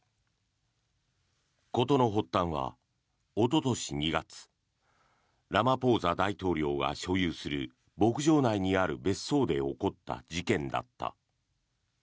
事の発端はおととし２月ラマポーザ大統領が所有する牧場内にある別荘で起こった事件だった。